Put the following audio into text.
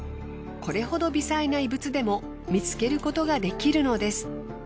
これほど微細な異物でも見つけることができるのです。